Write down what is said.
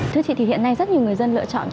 thưa chị thì hiện nay rất nhiều người dân lựa chọn